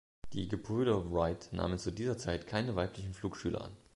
Die Gebrüder Wright nahmen zu dieser Zeit keine weiblichen Flugschüler an.